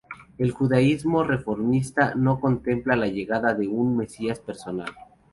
El Judaísmo reformista no contempla la llegada de un mesías personal.